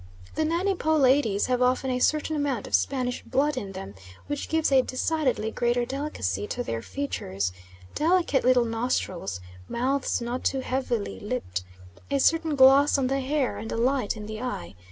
The Nanny Po ladies have often a certain amount of Spanish blood in them, which gives a decidedly greater delicacy to their features delicate little nostrils, mouths not too heavily lipped, a certain gloss on the hair, and a light in the eye.